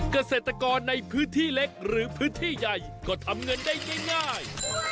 เกษตรกรในพื้นที่เล็กหรือพื้นที่ใหญ่ก็ทำเงินได้ง่าย